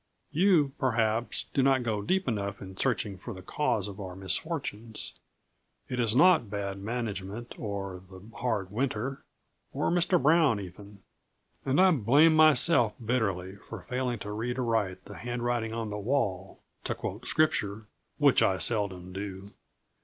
You, perhaps, do not go deep enough in searching for the cause of our misfortunes. It is not bad management or the hard winter, or Mr. Brown, even and I blame myself bitterly for failing to read aright the 'handwriting on the wall,' to quote scripture, which I seldom do.